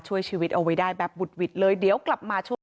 ช่วยชีวิตเอาไว้ได้แบบบุดหวิดเลยเดี๋ยวกลับมาช่วง